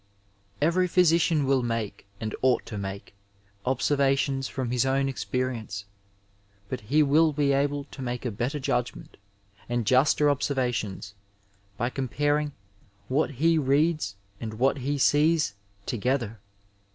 Every physioian wiU make, and ought to make, observatiaDB from his own experience; but he wiU be able to make a better judgment and juster observations by comparing what he reads and what he sees together.